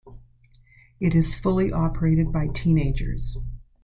It is fully operated by teenagers.